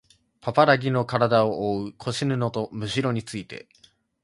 パパラギのからだをおおう腰布とむしろについて